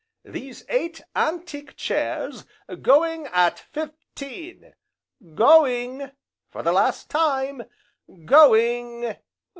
These eight antique chairs, going at fifteen! going! for the last time, going!